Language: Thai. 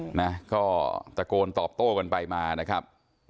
นะก็ตะโกนตอบโต้กันไปมานะครับ